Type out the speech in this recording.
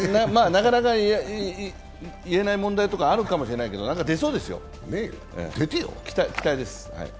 なかなか言えない問題とかあるかもしれないけど出そうですよ、期待です。